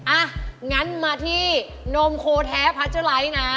อ่ะงั้นมาที่นมโคแท้พัชเจอร์ไลท์นะ